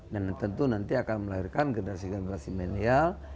dan tentu nanti akan melahirkan generasi generasi millennial